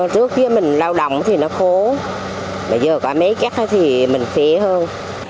trước khi mình lao động thì nó khố bây giờ có mấy cát thì mình phế hơn